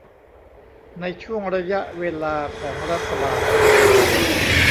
ในช่วงระยะเวลาของรัฐบาล